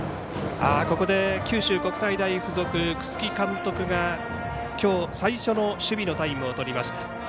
ここで九州国際大付属楠城監督がきょう、最初の守備のタイムをとりました。